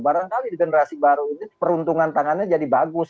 barangkali di generasi baru ini peruntungan tangannya jadi bagus